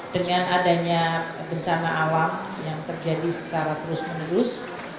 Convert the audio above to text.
dengan adanya bencana alam yang terjadi secara terus menerus